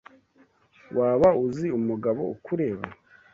Waba uzi umugabo ukureba?